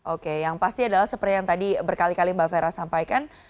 oke yang pasti adalah seperti yang tadi berkali kali mbak fera sampaikan